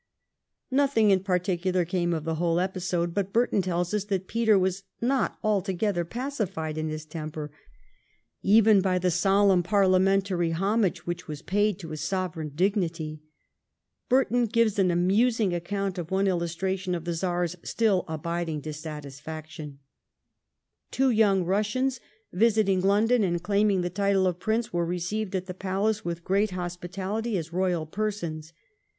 Nothing in particular came of the whole episode, but Burton tells us that Peter was not altogether pacified in his temper even by the solemn parliamentary homage which was paid to his sovereign dignity. Burton gives an amusing account of one c 2 20 THE REIGN OF QUEEN ANNE. oh. xxi. illustration of the Czar's still abiding dissatisfaction. ' Two young Kussians visiting London and claiming the title of prince were received at the palace with great hospitality as royal persons.